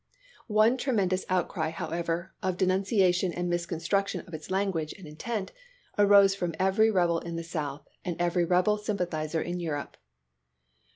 One tremendous outcry, however, of denuncia tion and misconstruction of its language and intent arose from every rebel in the South and every rebel sympathizer in Europe.